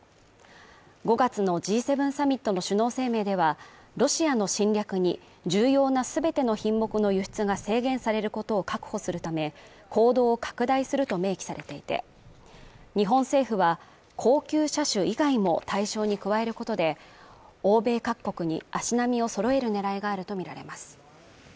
５月のＧ７サミットの首脳声明では、ロシアの侵略に重要な全ての品目の輸出が制限されることを確保するため、行動を拡大すると明記されていて、日本政府は高級車種以外も対象に加えることで欧米各国に足並みを揃える狙いがあるとみられます。